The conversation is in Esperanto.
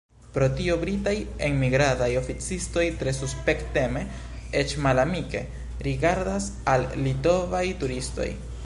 Pro tio britaj enmigradaj oficistoj tre suspekteme, eĉ malamike, rigardas al litovaj turistoj.